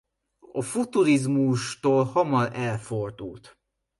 A futurizmustól hamar elfordult.